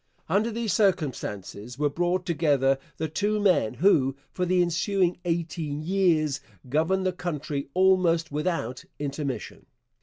Under these circumstances were brought together the two men who for the ensuing eighteen years governed the country almost without intermission.